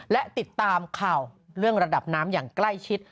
และติดตามข่าวเรื่องระดับน้ำอย่างใกล้ชิด